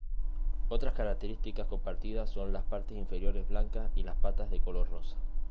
Otras características compartidas son las partes inferiores blancas y las patas de color rosa.